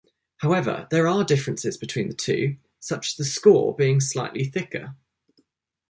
However, there are differences between the two, such as the Skor being slightly thicker.